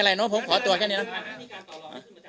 หาที่การต่อรองได้สิ่งที่บาทสาธารณาตัดสินใจได้เองเลยเหรอว่า